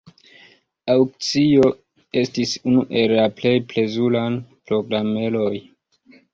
Aŭkcio estis unu el la plej plezuraj programeroj.